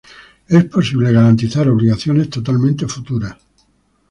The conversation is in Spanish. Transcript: Es posible garantizar obligaciones totalmente futuras.